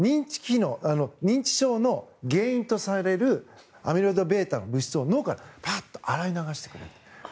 認知症の原因とされるアミロイドβという物質を脳から洗い流してくれる。